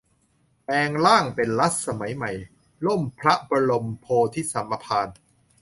แปลงร่างเป็น รัฐสมัยใหม่ - ร่มพระบรมโพธิสมภาร